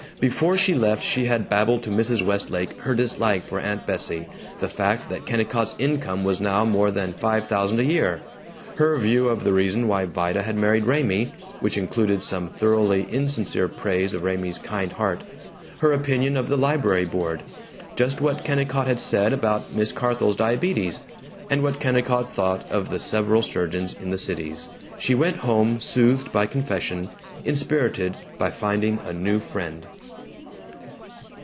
Before she left she had babbled to Mrs. Westlake her dislike for Aunt Bessie, the fact that Kennicott's income was now more than five thousand a year, her view of the reason why Vida had married Raymie (which included some thoroughly insincere praise of Raymie's "kind heart"), her opinion of the library board, just what Kennicott had said about Mrs. Carthal's diabetes, and what Kennicott thought of the several surgeons in the Cities. She went home soothed by confession, inspirited by finding a new friend.